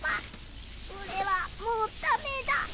俺はもうダメだ。